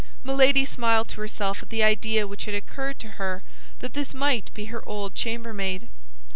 Milady smiled to herself at the idea which had occurred to her that this might be her old chambermaid.